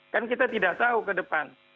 kan kita tidak tahu ke depan